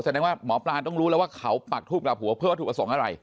แสดงว่าหมอปลาต้องรู้แล้วว่าเขาปักทูบกลับหัวเพื่อวัตถุประสงค์อะไร